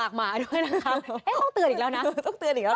ส่งปัญชี